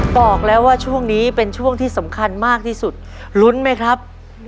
บอกแล้วว่าช่วงนี้เป็นช่วงที่สำคัญมากที่สุดลุ้นไหมครับ